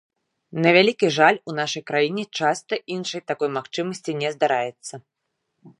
На вялікі жаль, у нашай краіне часта іншай такой магчымасці не здараецца.